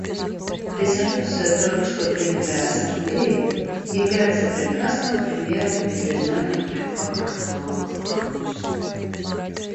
Резолюция, только что принятая Ассамблеей, является прекрасным примером и признанием этого образцового сотрудничества.